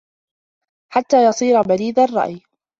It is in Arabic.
حَتَّى يَصِيرَ بَلِيدَ الرَّأْيِ